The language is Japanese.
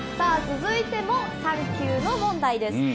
続いても３級の問題です。